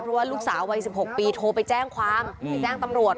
เพราะว่าลูกสาววัย๑๖ปีโทรไปแจ้งความไปแจ้งตำรวจ